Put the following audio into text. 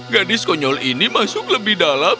gadis konyol ini masuk lebih dalam